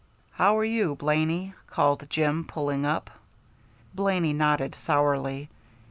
"How are you, Blaney?" called Jim, pulling up. Blaney nodded sourly.